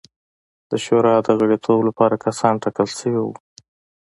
د شورا د غړیتوب لپاره کسان ټاکل شوي وو.